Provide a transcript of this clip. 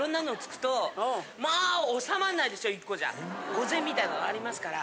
御膳みたいなのがありますから。